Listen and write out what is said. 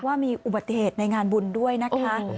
ว่ามีอุบัติเหตุในงานบุญด้วยนะคะ